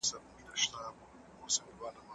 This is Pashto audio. هر بدلون یو نوی فرصت دی.